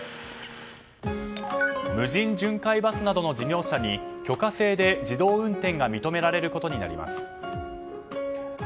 無人巡回バスなどの事業者に許可制で自動運転が認められることになります。